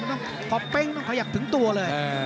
พอเบ้งต้องเขาอยากถึงตัวเลย